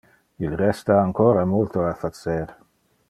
Il resta ancora multo a facer.